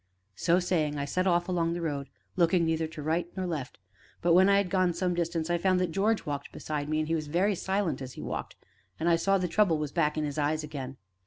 So saying, I set off along the road, looking neither to right nor left. But, when I had gone some distance, I found that George walked beside me, and he was very silent as he walked, and I saw the trouble was back in his eyes again.